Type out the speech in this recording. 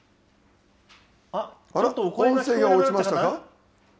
音声が落ちましたか？